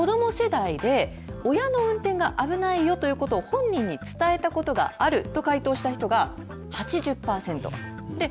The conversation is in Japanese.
で、子ども世代で親の運転が危ないよということを本人に伝えたことがあると回答した人が８０パーセント。